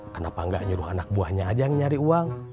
kenapa enggak nyuruh anak buahnya aja yang nyari uang